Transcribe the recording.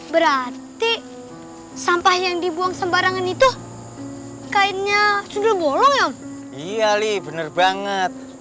berarti sampah yang dibuang sembarangan itu kainnya cendol bolong yang iyalah bener banget